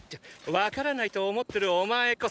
わからないと思ってるお前こそ。